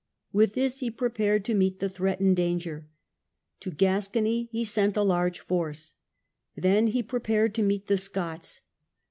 With this he prepared to meet the threatened danger. To Gascqny he sent a large force. Then he prepared to meet the Scots.